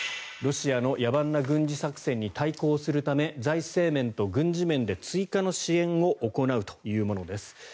ロシアの野蛮な軍事作戦に対抗するため財政面と軍事面で追加の支援を行うというものです。